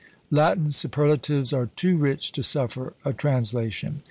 Latin superlatives are too rich to suffer a translation.